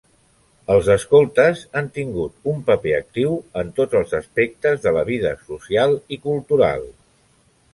Els escoltes han tingut un paper actiu en tots els aspectes de la vida social i cultural.